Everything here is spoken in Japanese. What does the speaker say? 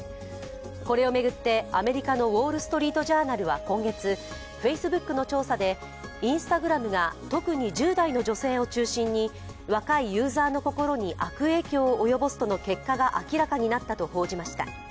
これを巡ってアメリカの「ウォール・ストリート・ジャーナル」は今月Ｆａｃｅｂｏｏｋの調査で、Ｉｎｓｔａｇｒａｍが特に１０代の女性を中心に若いユーザーの心に悪影響を及ぼすとの結果が明らかになったと報じました。